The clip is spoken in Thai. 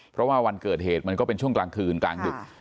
เพราะว่าวันเกิดเหตุมันก็เป็นช่วงกลางคืนกลางดึก